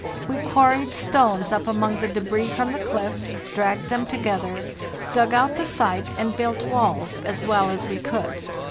We quarried stones up among the débris from the cliff, dragged them together, dug out the site, and built walls as well as we could.